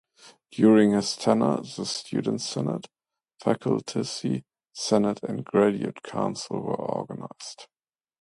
During his tenure, the student senate, faculty senate and graduate council were organized.